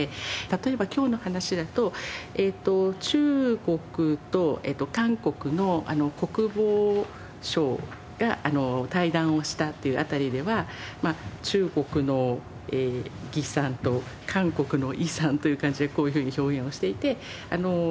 例えば今日の話だと「中国と韓国の国防相が対談をした」という辺りでは中国の魏さんと韓国の李さんという感じでこういうふうに表現をしていて。